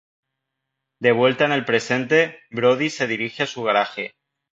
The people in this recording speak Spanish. De vuelta en el presente, Brody se dirige a su garaje.